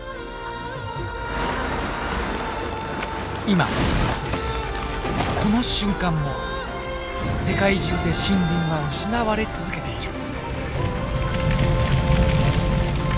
今この瞬間も世界中で森林は失われ続けている。